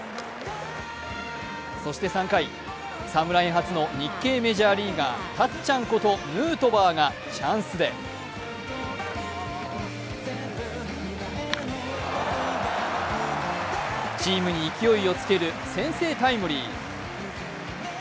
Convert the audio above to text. そして３回、侍初の日系メジャーリーガー、たっちゃんことヌートバーがチャンスでチームに勢いをつける先制タイムリー。